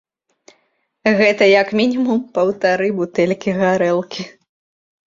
Гэта як мінімум паўтары бутэлькі гарэлкі.